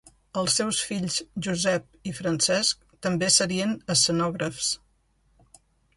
Els seus fills Josep i Francesc també serien escenògrafs.